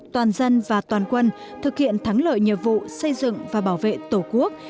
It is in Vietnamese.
toàn dân và toàn quân thực hiện thắng lợi nhiệm vụ xây dựng và bảo vệ tổ quốc